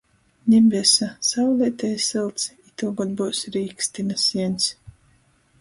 Ni besa – sauleite i sylts, itūgod byus rīksti, na sieņs!